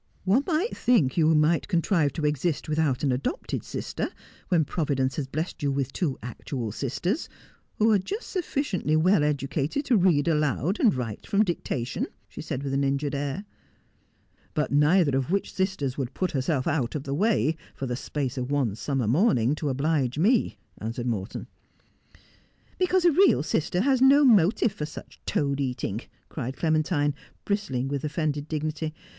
'One might think you might contrive to exist without an adopted sister, when Providence has blest you with two actual sisters, who are just sufficiently well educated to read aloud and write from dictation,' she said with an injured air. 'But neither of which sisters would put herself out of the way for the space of one summer morning to oblige me,' answered Morton. ' Because a real sister has no motive for such toad eating,' cried Clementine, bristling with offended dignity.